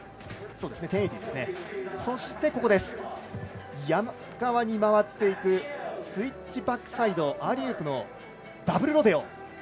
そして、山側に回っていくスイッチバックサイドアーリーウープのダブルロデオ。